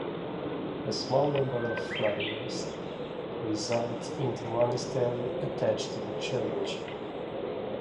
A small number of Friars reside in the monastery attached to the church.